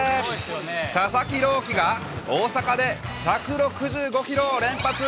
佐々木朗希が大阪で１６５キロを連発。